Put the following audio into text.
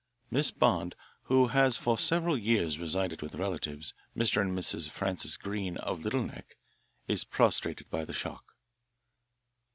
Miss Bond, who has for several years resided with relatives, Mr. and Mrs. Francis Greene of Little Neck, is prostrated by the shock.